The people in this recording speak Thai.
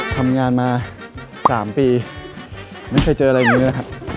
ทำงานมา๓ปีไม่เคยเจออะไรเหมือนกัน